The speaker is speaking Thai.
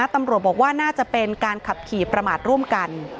ตำรวจบอกว่าน่าจะเป็นการขับขี่ประมาทร่วมกัน